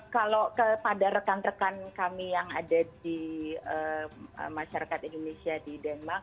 kalau kepada rekan rekan kami yang ada di masyarakat indonesia di denmark